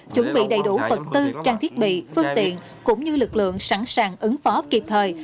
chuẩn bị đầy đủ vật tư trang thiết bị phương tiện cũng như lực lượng sẵn sàng ứng phó kịp thời